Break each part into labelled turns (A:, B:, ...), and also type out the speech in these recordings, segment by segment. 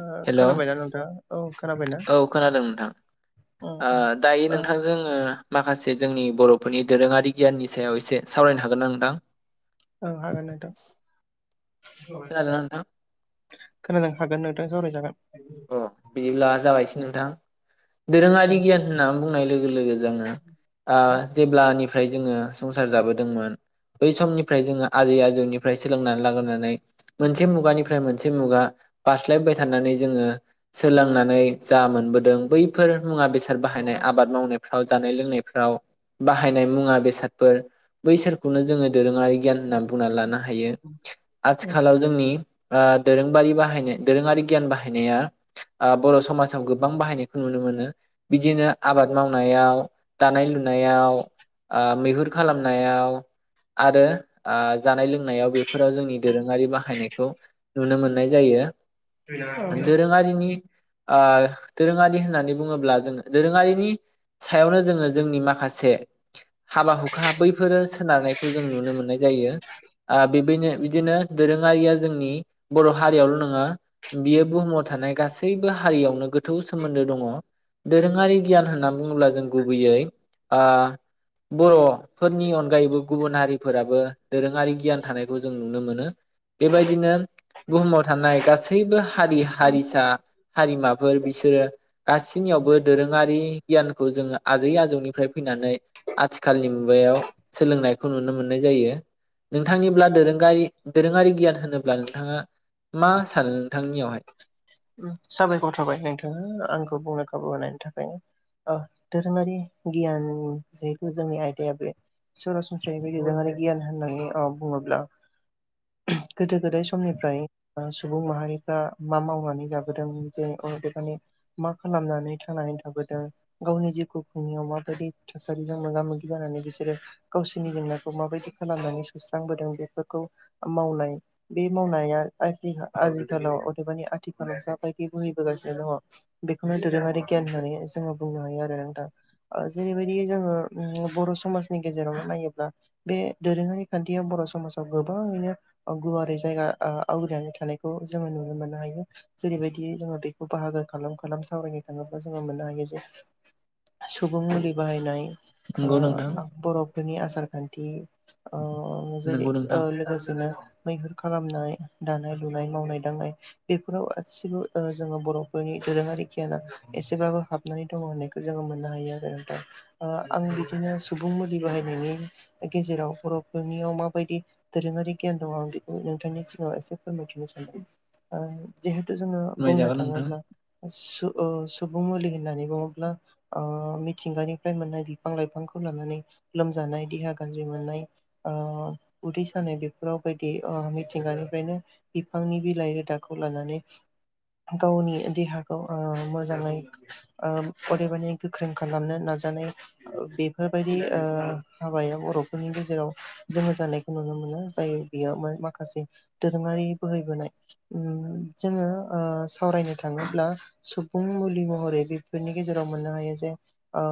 A: ओ
B: हेलौ
A: खोनाबायना नोंथाङा औ। खोनाबायना
B: औ खोनादों नोंथां
A: औ
B: ओ
A: औ
B: दायो
A: ओ
B: नोंथां जोङो माखासे जोंनि बर'फोरनि दोरोङारि गियाननि सायाव एसे सावरायनो हागोनना नोंथां?
A: औ हागोन नोंथां।
B: खोनादोंना नोंथां
A: खोनादों हागोन नोंथां सावरायजागोन।
B: अ बिदिब्ला जागायसै नोंथां।
A: औ
B: दोरोङारि गियान होननानै बुंनाय लोगो लोगो जोङो ओ जेब्लानि फ्राय जोङो संसार जाबोदोंमोन बै समनिफ्राय जोङो आजै आजौनिफ्राय सोलोंनानै लाबोनानै मोनसे मुगानिफ्राय मोन मोनसे मुगा बारस्लायबोबाय थानानै जोङो सोलोंनानै जा मोनबोदों बैफोर मुवा बेसाद बाहायनाय आबाद मावनायफ्राव जानाय लोंनायफ्राव बाहायनाय मुवा बेसादफोर बैसोरखौनो जोङो दोरोङारि गियान होननानै बुंना लानो हायो
A: उम औ
B: आथिखालाव जोंनि ओ दोरोंबारि बाहायनाय दोरोङारि गियान बाहायनाया ओ बर' समाजाव गोबां बाहायनायखौ नुनो मोनो बिदिनो आबाद मावनायाव दानाय लु नायाव ओ मै हुर खालामनायाव आरो ओ जानाय लोंनायाव बेफोराव जोंनि दोरोङारि बाहायनायखौ नुनो मोननाय जायो।
A: [unintelligible]
B: दोरोङारिनि ओ दोरोङारि होननानै बुङोब्ला जोङो दोरोङारिनि सायावनो जोङो जोंनि माखासे हाबा हुखा बैफोरो सोनारनायखौ जों नुनो मोननाय जायो ओ बेबियनो बिदिनो दोरोङारिया जोंनि बर' हारियावल नङा बियो बुहुमाव थानाय गासैबो हारियावनो गोथौ सोमोन्दो दङ। दोरोङारि गियान होनना बुङोब्ला जों गुबैयै ओ बर'फोरनि अनगायैबो गुबुन हारिफोराबो दोरोङारि गियान थानायखौ जों नुनो मोनो बेबायदिनो बुहुमाव थानाय गासैबो हारि हारिस हारिमाफोर बिसोरो गासिनियावबो दोरोङारि गियानखौ जोङो आजै आजौनिफ्राय फैनानै आथिखालनि मुगायाव सोलोंनायखौ नुनो मोननाय जायो नोंथांनिब्ला दोरोंगारि दोरोङारि गियान होनोब्ला नोंथाङा मा सानो नोंथांनियावहाय?
A: उम साबायखर थाबाय नोंथाङा आंखौ बुंनो खाबु होनायनि थाखाय ओ दोरोङारि गियान जिहेथु जोंनि आयदाया बे सरासनस्रायै बे दोरोङारि गियान होननानै अ बुङोब्ला गोदो गोदाय समनिफ्राय ओ सुबुं माहारिफ्रा मा मावनानै जाबोदों अदेबानि मा खालामनानै थांनानै थाबोदों गावनि जिउखौ खुंनायाव माबायदि थासारिजों मोगा मोगि जानानै बिसोरो गावसोरनि जेंनाखौ माबायदि खालामनानै सुस्रांबोदों बेफोरखौ मावनाय बे मावनाया आजि आजिखालाव अदेबानि आथि खालाव जा बायदि बोहैबोगासिनो दङ बेखौनो दोरोङारि गियान होननानै जोङो बुंनो हायो आरो नोंथां ओ जेरैबायदि जोङो बर समाजनि गेजेराव नायोब्ला बे दोरोङारि खान्थिया बर समाजाव गोबाङैनो गुवारै जायगा आ आवग्रिनानै थानायखौ जोङो नुनो मोननो हायो। जेरैबायदि जोङो बेखौ बाहागो खालाम खालाम सावरायनो थाङोब्ला जोङो मोननो हायो जे सुबुं मुलि बाहायनाय
B: नंगौ नोंथां
A: ओ बरफोरनि आसार खान थि अ जेरै
B: नंगौ नोंथां
A: ओ लोगोसेनो बैफोरख खालामनाय दानाय लुनाय मावनाय दांनाय बेफ [unintelligible] गासिबो ओ जोङो बरफोरनि दोरोङारि गियाना एसेब्लाबो हाबनानै दङ होननायखौ जोङो मोननो हायो आरो नोंथां ओ आं बिदिनो सुबुं मुलि बाहायनायनि गेजेराव बरफोरनियाव माबायदि दोरोङारि गियान दङ आं बेखौ नोंथांनि सिगाङाव एसे फोरमायथिनो सानदों ओ [unintelligible] जोङो बुंनो
B: फोरमायजागोन नोंथां
A: थाङोब्ला सु ओ सुबुं मुलि होननानै बुङोब्ला ओ मिथिंगानिफ्राय मोननाय बिफां लाइफांखौ लानानै लोमजानाय देहा गाज्रि मोननाय ओ उदै सानाय बेफोराव बायदि ओ मिथिंगानिफ्रायनो बिफांनि बिलाइ रोदाखौ लानानै गावनि देहाखौ ओ मोजाङै ओ अदेबानि गोख्रों खालामनो नाजानाय बेफोरबायदि ओ हाबायाव बरफोरनि गेजेराव जोङो जानायखौ नुनो मोनो जाय बिया माखासे दोरोङारि बोहैबोनाय उम जोङो ओ सावरायनो थाङोब्ला सुबुं मुलि महरै बेफोरनि गेजेराव मोननो हायो जे ओ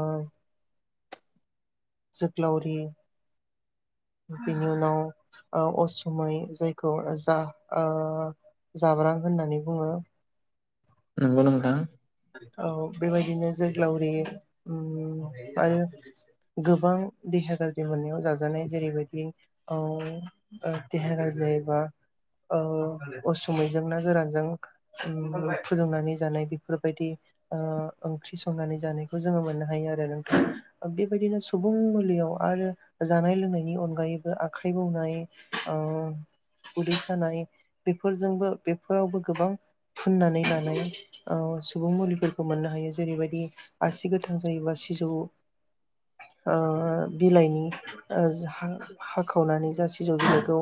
A: जोग्लावरि बिनि उनाव ओ असुमै जायखौ जा ओ जाब्रां होननानै बुङो।
B: नोंगौ नोंथां
A: औ बेबायदिनो जोग्लावरि उ आरो गोबां देहा गाज्रि मोननायाव जाजानाय जेरैबायदि अह देहा गाज्रि जायोबा अह उसुमैजों ना गोरानजों ओम फुदुंनानै जानाय बेफोरबायदि ओ ओंख्रि संनानै जानायखौ जोङो मोननो हायो आरो नोंथां बेबायदिनो सुबुं मुलियाव आरो जानाय लोंनायनि अनगायैबो आखाइ बौनाय ओ उदै सानाय बेफोरजोंबो बेफोरावबो गोबां फुननानै लानाय औ सुबुं मुलिफोरखौ मोननो हायो जेरैबायदि आसि गोथां जायोबा सिजौ ओ बिलाइनि ओ हा-हाखावनानै जा सिजौ बिलाइखौ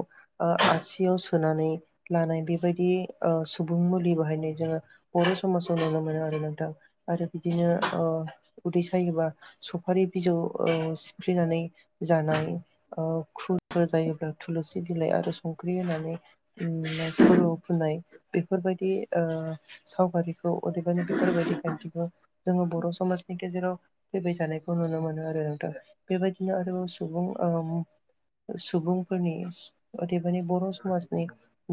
A: आ-आसियाव सोनानै लानाय बेबायदि ओ सुबुं मुलि बाहायनाय जोङो बर समाजाव नुनो मोनो आरो नोंथां आरो बिदिनो अ उदै सायोबा सफारि बिजौ सिफ्रिनानै जानाय ओ खुरफोर जायोब्ला थुलुसि बिलाइ आरो संख्रि होनानै ओम खरुआव फुननाय बेफोरबायदि ओ सावगारिखौ अदेबानि बेफोरबायदि खान्थिखौ जोङो बर समाजनि गेजेराव फैबाय थानायखौ नुनो मोनो आरो नोंथां बेबायदिनो आरोबाव सुबुं ओ सुबुंफोरनि अदेबानि बर समाजनि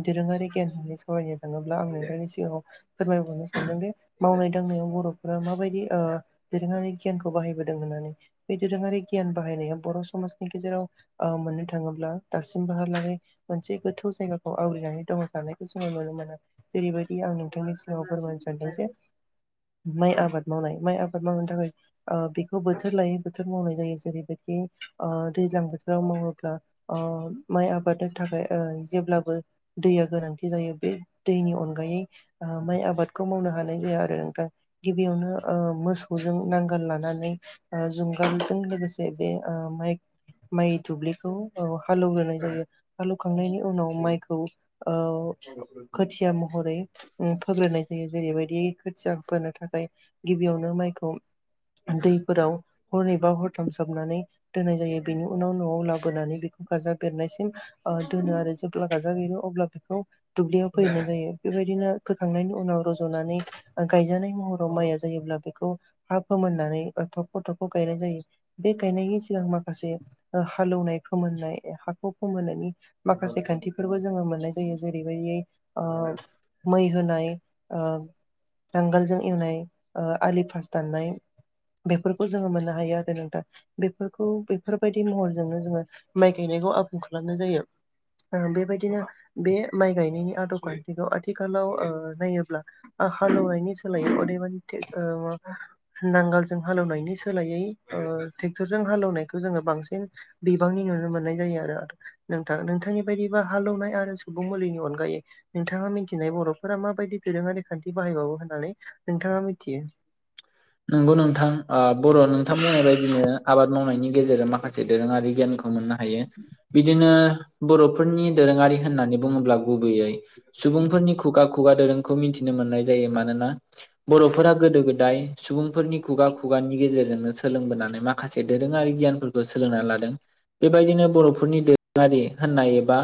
A: दोरोङारि गियान होननानै सावरायनो थाङोब्ला आं नोंथांनि सिगाङाव फोरमायबावनो सानदों दि मावनाय दांनायाव बरफोरा माबायदि ओ दोरोङारि गियानखौ बाहायबोदों होननानै बे दोरोङारि गियान बाहायनाया बर समाजनि गेजेराव ओ मोननो थाङोब्ला दासिमबोहालागै मोनसे गोथौ जायगाखौ आवग्रिनानै दङ सानायखौ जोङो नुनो मोना जेरैबायदि आं नोंथांनि फोरमायनो सानदों जे माइ आबाद मावनाय माइ आबाद मावनो थाखाय ओ बेखौ बोथोर लायै बोथोर मावनाय जायो जेरैबायदि ओ दैज्लां बोथोराव मावोब्ला ओ माइ आबादनि थाखाय ओ जेब्लाबो दैया गोनांथि जायो बे दैनि अनगायै ओ माइ आबादखौ मावनो हानाय जाया आरो नोंथां। गिबियावनो ओ मोसौजों नांगाल लानानै ओ जुंगालजों लोगोसे बे ओ माइ माइ दुब्लिखौ अ हालौवग्रोनाय जायो। हालौवखांनायनि उनाव माइखौ ओ खोथिया महरै उ फोग्रोनाय जायो जेरैबायदि खोथिया फोनो थाखाय गिबियावनो माइखौ दैफोराव हरनैबा हरथाम सोमनानै दोननाय जायो बेनि उनाव नआव लाबोनानै बेखौ गाजा बेरनायसिम ओ दोनो आरो जेब्ला गाजा बेरो अब्ला बेखौ दुब्लियाव फोहैनाय जायो बेबायदिनो फोखांनायनि उनाव रजनानै ओ गायजानाय महराव माइया जायोब्ला बेखौ हा फोमोननानै ओ थख थख गायनाय जायो बे गायनायनि सिगां माखासे हालौवनाय फोमोननाय हाखौ फोमोननायनि माखासे खान्थिफोरबो जोङो मोननाय जायो जेरैबायदि ओ मै होनाय ओ नांगालजों एवनाय ओ आलि फास दाननाय बेफोरखौ जोङो मोननो हायो आरो नोंथा बेफोरखौ बेफोरबायदि महरजोंनो जोङो माइ गायनायखौ आबुं खालामनाय जायो। ओ बेबायदिनो बे माइ गायनायनि आदब खान्थिखौ आथि खालाव ओ नायोब्ला आ हालौवनायनि सोलायै अदेबानि टेक नांगालजों हालेवनायनि सोलायै ओ टेक्टरजों हालेवनायखौ जोङो बांसिन बिबांनि नुनो मोननाय जायो आरो नोंथां नोंथांनि बायदिबा हालौवनाय आरो सुबुं मुलिनि अनगायै नोंथाङा मिथि नाय बरफोरा माबायदि दोरोङारि खान्थि बाहायबावो होननानै नोंथाङा मिथियो
B: नंगौ नोंथां आ बर' नोंथां बुंनाय बायदिनो आबाद मावनायनि गेजेरजों माखासे दोरोङारि गियानखौ खौ मोननो हायो बिदिनो बर'फोरनि दोरोङारि होननानै बुङोब्लाबो गुबैयै सुबुंफोरनि खुगा खुगा दोरों खौ मिथिनो मोननाय जायो मानोना बर'फोरा गोदो गोदाय सुबुंफोरनि खुगा खुगानि गेजेरजोंनो सोलोंबोनानै माखासे दोरोङारि गियानफोरबो सोलोंना लादों। बेबायदिनो बर'फोरनि दोरोङारि होननाय बा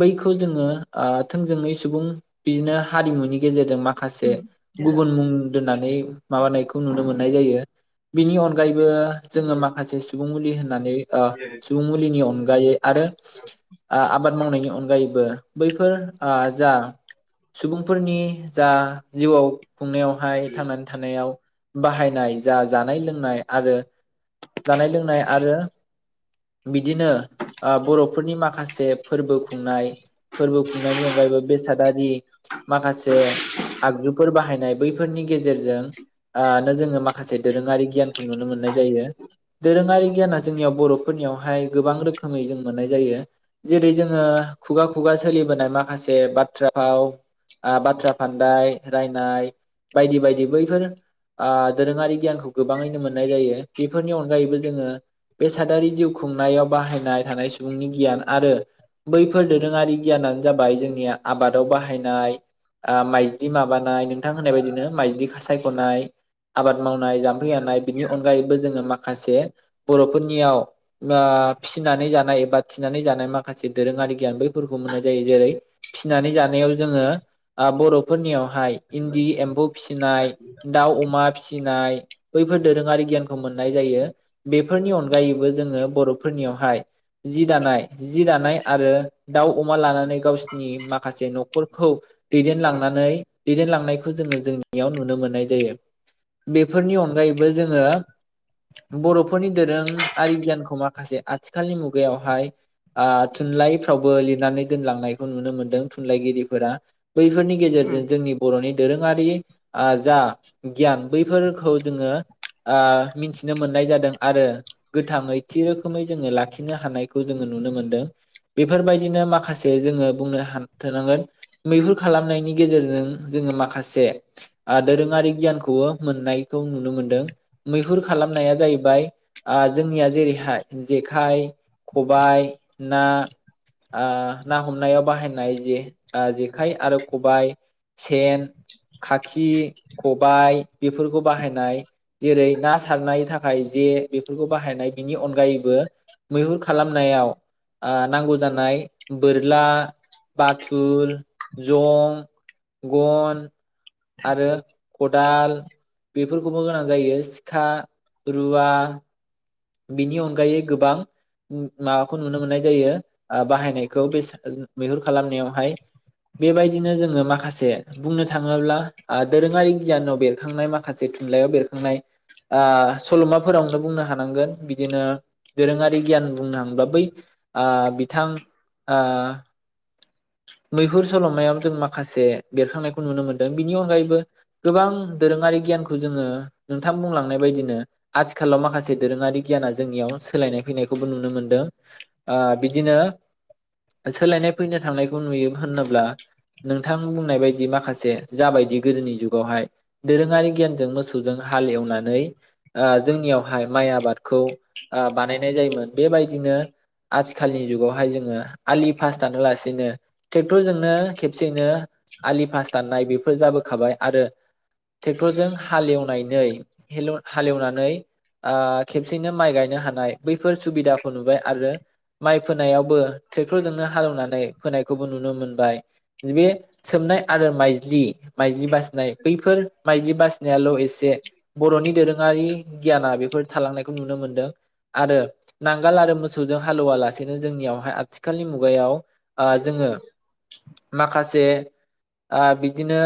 B: बैखौ जोङो आ थोंजोङै सुबुं बिदिनो हारिमुनि गेजेरजों मा खासे गुबुन
A: मिथियो
B: मुं दोननानै माबानाय खौ नुनो मोननाय जायो। बिनि अनगायैबो जोङो माखासे सुब [unintelligible] होननानै आ सुबुं मुलिनि अनगायै आरो आ आबाद मावनायनि अनगायैबो बैफोर आ जा सुबुंफोरनि जा जिउआव खुंनायावहाय थांनानै थानायाव बाहायनाय जा जानाय लोंनाय आरो जानाय लोंनाय आरो बिद दिनो ओ बर'फोरनि माखासे फोरबो खुंनाय फोरबो खुंनायनि अनगायैबो बेसादारि माखासे आगजुफोर बाहाय नाय बैफोरनि गेजेरजों आनो जोङो माखासे दोरोङारि गियानखौ नुनो मोननाय जायो। दोरोङारि गियाना जोंनियाव बर'फोरनियावहाय गोबां रोखोमै जों मोननाय जायो। जेरै जोङो खुगा खुगा सोलिबोनाय माखासे बाथ्रा फाव आ बाथ्रा फान्दाय रायनाय बायदि बायदि बैफोर आ दोरोङारि गियानखौ गोबाङैनो मोननाय जायो। बेफोरनि अनगायैबो जोङो बेसादारि जिउ खुंनायाव बाहायनाय थानाय सुबुंनि गियान आरो बैफोर दोरोङारि गियानानो जाबाय जोंनिया आबादाव बाहायनाय आ माइज्लि माबानाय नोंथां होननाय बायदिनो माइज्लि खासायख'नाय। आबाद मावनाय, जाम्फै हानाय बिनि अनगायैबो जोङो माखासे बर'फोरनियाव ओ फिनानै जानाय एबा थिनानै जानाय माखासे दोरोङारि गियान बैफोरखौ मोननाय जायो जेरै फिनानै जानायाव जोङो आ बर'फोरनियावहाय इन्दि एम्बौ फिसिनाय, दाउ, अम मा फिसिनाय बैफोर दोरोङारि गियानखौ मोननाय जायो। बेफोरनि अनगायैबो जोङो बर'फोरनियावहाय जि दानाय जि दानाय आरो दाउ, अमा लानानै गावसिनि माखासे न'खरखौ दैदेनलांनानै दैदेनलांनायखौ जोङो जोंनियाव नुनो मोननाय जायो। बेफोरनि अनगायैबो जोङो बर'फोरनि दोरोङारि गियानखौ माखासे आथिखालनि मुगायावहाय आ थुनलाइफ्रावबो लिरनानै दोनलांनायखौ नुनो मोनदों थुनलाइगिरिफोरा। बैफोरनि गेजेरजों जोंनि बर'नि दोरोङारि आ जा गियान बैफोरखौ जोङो आ मिन्थिनो मोननाय जादों आरो गोथाङै थि रोखोमै जोङो लाखिनो हानायखौ जोङो नुनो मोनदों। बेफोरबायदिनो माखासे जोङो बुंनो हान्थोनांगोन मैहुर खालामनायनि गेजेरजों जोङो माखासे आ दोरोङारि गियानखौबो मोननायखौ नुनो मोनदों। मैहुर खालामनाया जाहैबाय आ जोंनिया जेरैहाय जेखाइ, खबाइ ना आ ना हमनायाव बाहायनाय जे आ जेखाइ आरो खबाइ सेन खाखि खबाइ बेफोरखौ बाहायनाय जेरै ना सारनायनि थाखाय जे बेफोरखौ बाहायनाय बिनि अनगायैबो मैहुर खालामनायाव आ नांगौ जानाय बोरला, बाथुल, जं, गन आरो खदाल बेफोरखौबो गोनां जायो सिखा रुवा बिनि अनगायै गोबां माबाखौ नुनो मोननाय जायो आ बाहायनायखौ बेसाद मैहुर खालामनायावहाय बेबायदिनो जोङो माखासे बुंनो थाङोब्ला आ दोरोङारि गियानाव बेरखांनाय माखासे थुनलाइयाव बेरखांनाय आ सल'माफोरावनो बुंनो हानांगोन। बिदिनो दोरोङारि गियान बुंनो हांब्ला बै आ बिथां आ मैहुर सल'मायाव जों माखासे बेरखांनायखौ नुनो मोनदों बिनि अनगायैबो गोबां दोरोङारि गियानखौ जोङो नोंथां बुंलांनाय बायदिनो आथिखालाव माखासे दोरोङारि गियाना जोंनियाव सोलायनाय फैनायखौबो नुनो मोनदों आ बिदिनो सोलायनाय फैनो थांनाय खौ नुयो होनोब्ला नोंथां बुंनाय बायदि माखासे जाबायदि गोदोनि जुगावहाय दोरोङारि गियानजों मोसौजों हाल एवनानै आ जोंनियावहाय माइ आबादखौ आ बानायनाय जायोमोन बेबायदिनो आथिखालनि जुगावहाय जोङो आलि फास दानालासेनो ट्रेक्टरजोंनो खेबसेयैनो आलि फास दान नाय बेफोर जाबोखाबाय आरो ट्रेक्टरजों हालेवनायनै हेल हालेवनानै आ खेबसेनो माइ गायनो हानाय बैफोर सुबिदाखौ नुबाय आरो माइ फोनायावबो ट्रेक्टरजोंनो हालेवनानै खौबो नुनो मोनबाय। बे सोमनाय आरो माइज्लि माइज्लि बासिनाय बैफोर माइज्लि बासिनायाल' एसे बर'नि दोरोङारि गियाना बेफोर थालांनायखौ नुनो मोनदों आरो नांगाल आरो मोसौजों हालौवालासेनो जोंनियावहाय आथिखालनि मुगायाव ओ जोङो माखासे ओ बिदिनो